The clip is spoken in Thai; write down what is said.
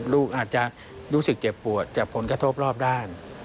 ลูกอาจจะรู้สึกเจ็บปวดจากผลกระทบรอบด้าน